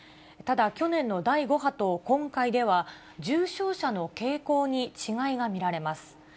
ただ、去年の第５波と今回では、重症者の傾向に違いが見られます。